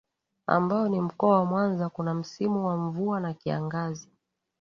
ambao ni mkoa wa Mwanza kuna msimu wa mvua na kiangazi